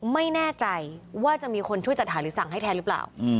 ไม่แน่ใจว่าจะมีคนช่วยจัดหาหรือสั่งให้แทนหรือเปล่า